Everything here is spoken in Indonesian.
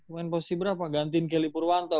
main posisi berapa gantiin kelly purwanto